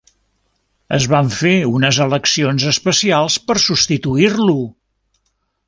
Es van fer unes eleccions especials per substituir-lo.